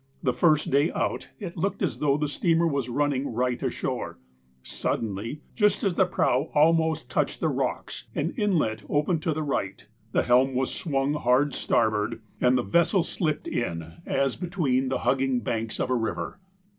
The first day out it looked as though the steamer was running riglit ashore. Suddenly, just as the prow almost tonclu'd the rocks, an inlet opened to the I'ight, the helm waa swung hard starboard, and the vessel slipped in as < CO C4 Q < Oh o X. 3 I I THE INSIDE PASSAGE 47 between the hugging banks of a river.